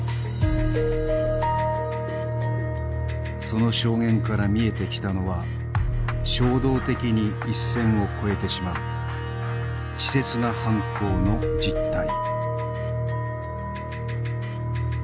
その証言から見えてきたのは衝動的に一線を越えてしまう稚拙な犯行の実態。